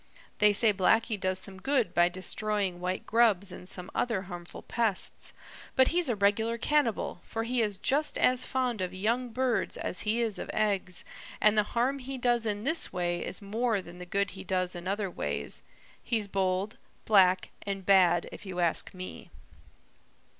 They say Blacky does some good by destroying white grubs and some other harmful pests, but he's a regular cannibal, for he is just as fond of young birds as he is of eggs, and the harm he does in this way is more than the good he does in other ways. He's bold, black, and bad, if you ask me."